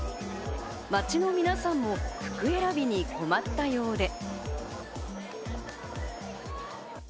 街の皆さんも服選びに困ったようで。